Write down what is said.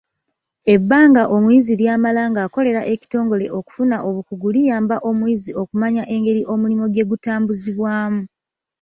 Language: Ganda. Ebbanga omuyizi ly'amala ng'akolera ekitongole okufuna obukugu liyamba omuyizi okumanya engeri omulimu gye gutambuzibwamu.